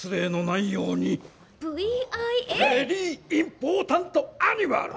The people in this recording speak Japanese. ベリー・インポータント・アニマル！